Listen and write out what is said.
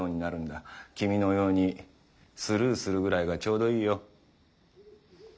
君のようにスルーするぐらいがちょうどいいよ。